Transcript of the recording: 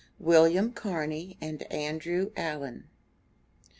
WILLIAM CARNEY AND ANDREW ALLEN.